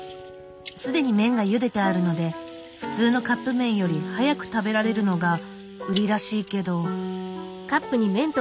既に麺がゆでてあるので普通のカップ麺より早く食べられるのが売りらしいけど。